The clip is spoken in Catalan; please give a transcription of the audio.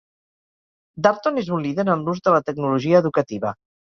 Darton és un líder en l'ús de la tecnologia educativa.